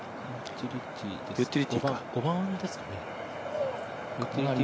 ５番ですね。